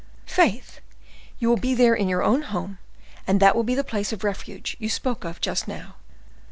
—" "Faith! you will be there in your own home, and that will be the place of refuge you spoke of just now."